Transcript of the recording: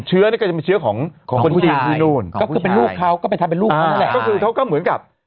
คือเขาก็เหมือนกับ